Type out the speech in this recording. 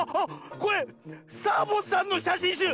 これサボさんのしゃしんしゅう！